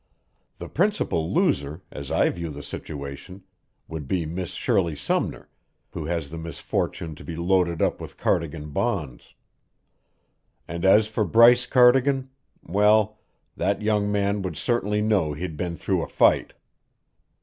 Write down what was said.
The principal loser, as I view the situation, would be Miss Shirley Sumner, who has the misfortune to be loaded up with Cardigan bonds. And as for Bryce Cardigan well, that young man would certainly know he'd been through a fight."